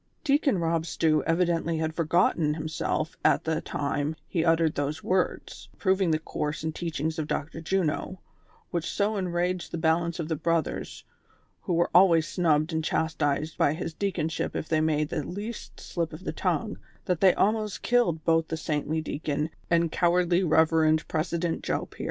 Deacon Rob Stew evidently had forgotten himself at the time he uttered those words, approving the course and teachings of Dr. Juno, which so enraged the balance of the brotliers, who were always snubbed and chastised by his deaconship if they made the least slip of the tongue, that they almost killed both the saintly deacon and cow ardly Reverend President Joe Pier.